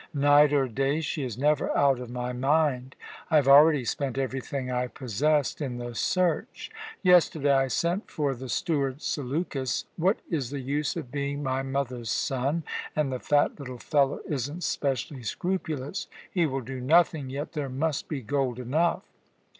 "Night or day, she is never out of my mind. I have already spent everything I possessed in the search. Yesterday I sent for the steward Seleukus. What is the use of being my mother's son, and the fat little fellow isn't specially scrupulous! He will do nothing, yet there must be gold enough.